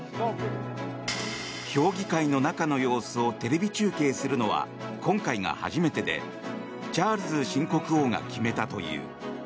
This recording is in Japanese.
評議会の中の様子をテレビ中継するのは今回が初めてでチャールズ新国王が決めたという。